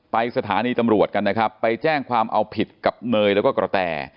สถานีตำรวจกันนะครับไปแจ้งความเอาผิดกับเนยแล้วก็กระแต